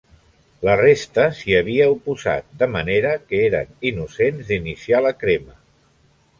La resta s'hi havia oposat, de manera que eren innocents d'iniciar la crema.